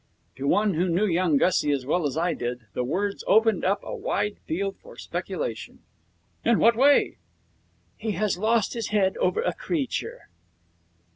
To one who knew young Gussie as well as I did, the words opened up a wide field for speculation. 'In what way?' 'He has lost his head over a creature.'